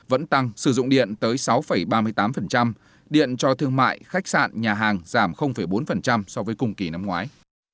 vẫn tăng sử dụng điện tới sáu ba mươi tám điện cho thương mại khách sạn nhà hàng giảm bốn so với cùng kỳ năm ngoái